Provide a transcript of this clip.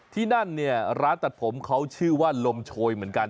ที่นั่นเนี่ยร้านตัดผมเขาชื่อว่าลมโชยเหมือนกัน